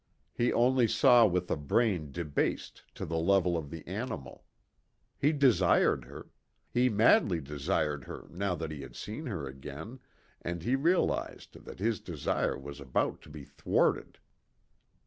He only saw with a brain debased to the level of the animal. He desired her. He madly desired her now that he had seen her again, and he realized that his desire was about to be thwarted.